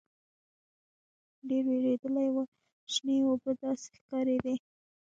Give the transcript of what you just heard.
ډېر وېردلي وو شنې اوبه داسې ښکارېدې.